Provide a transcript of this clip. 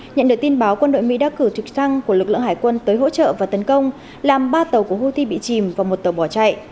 nhận được tin báo quân đội mỹ đã cử thực xăng của lực lượng hải quân tới hỗ trợ và tấn công làm ba tàu của houthi bị chìm và một tàu bỏ chạy